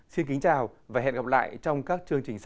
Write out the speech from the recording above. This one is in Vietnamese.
xin kính chào và hẹn gặp lại trong các chương trình sau